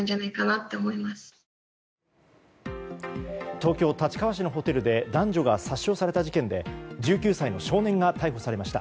東京・立川市のホテルで男女が殺傷された事件で１９歳の少年が逮捕されました。